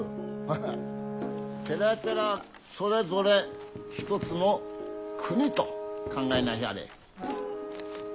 ハハッ寺々それぞれ一つの国と考えなひゃれ。